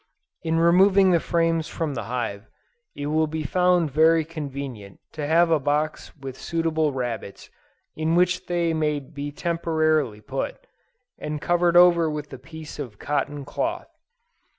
In removing the frames from the hive, it will be found very convenient to have a box with suitable rabbets in which they may be temporarily put, and covered over with a piece of cotton cloth.